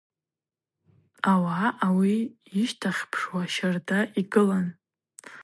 Ауагӏа ауи йыщтахьпшуа щарда йгылан.